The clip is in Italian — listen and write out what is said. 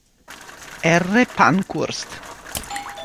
R. Pankhurst.